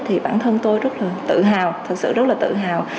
thì bản thân tôi rất là tự hào